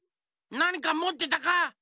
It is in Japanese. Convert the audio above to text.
なにかもってたか？